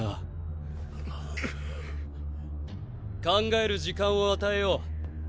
考える時間を与えよう。